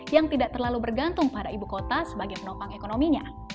yang tidak terlalu bergantung pada ibu kota sebagai penopang ekonominya